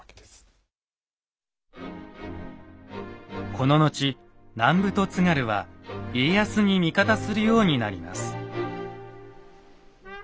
この後南部と津軽は家康に味方するようになります。